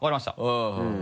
うんうん。